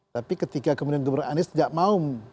tapi ketika kemudian gubernur anies tidak mau